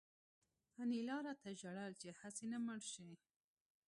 انیلا راته ژړل چې هسې نه مړ شې